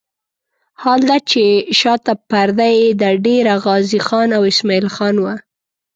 حال دا چې شاته پرده یې د ډېره غازي خان او اسماعیل خان وه.